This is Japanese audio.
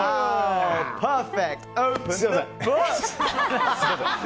パーフェクト！